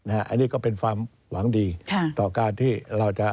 อันนี้ก็เป็นความหวังดีต่อการที่เราจะ